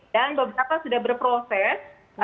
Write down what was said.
dan beberapa sudah berproses